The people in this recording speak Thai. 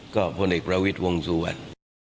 ก็พลเอกประวิทย์วงสุวรรณ